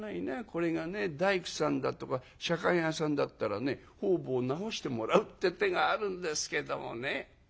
これがね大工さんだとか左官屋さんだったらね方々直してもらうって手があるんですけどもね」。